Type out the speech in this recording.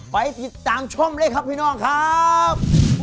ไปติดตามชมเลยครับพี่น้องครับ